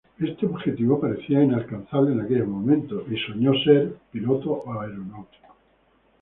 Este objetivo parecía inalcanzable en aquellos momentos, y soñó en ser piloto aeronáutico.